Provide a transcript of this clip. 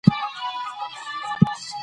خاطب دا حق لري، چي مخطوبې ته څو واره وګوري